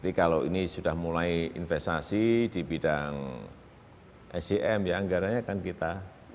tapi kalau ini sudah mulai investasi di bidang sdm ya anggaranya kan kita